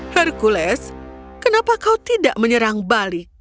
hercules kenapa kau tidak menyerang bali